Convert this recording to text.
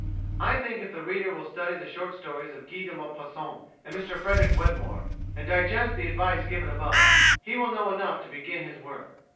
I think if the reader will study the short stories of Guy de Maupassant and Mr Frederic Wedmore, and digest the advice given above, he will know enough to begin his work.